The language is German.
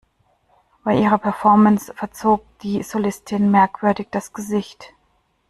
Bei ihrer Performance verzog die Solistin merkwürdig das Gesicht.